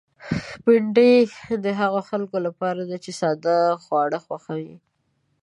بېنډۍ د هغو خلکو لپاره ده چې ساده خواړه خوښوي